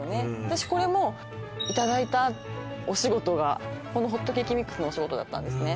私これもいただいたお仕事がこのホットケーキミックスのお仕事だったんですね